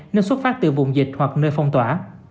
nên xuất phát từ vùng dịch hoặc nơi phong tỏa